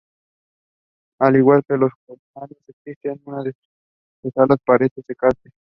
Al igual que los cormoranes, extiende sus alas para secarse.